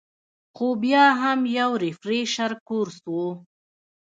خو بيا هم يو ريفرېشر کورس وۀ -